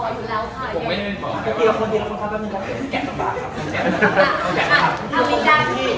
อาวินดาวน์เจ้าของเรานี้ค่ะ